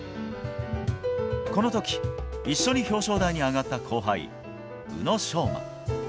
このとき、一緒に表彰台に上がった後輩、宇野昌磨。